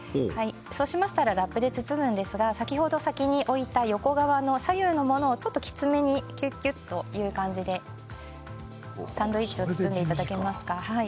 ラップで包むんですが先ほど先に置いて横側の左右のものを、ちょっときつめにきゅっきゅっという感じでサンドイッチを包んでいただけますか。